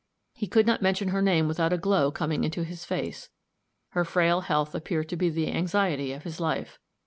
He could not mention her name without a glow coming into his face; her frail health appeared to be the anxiety of his life.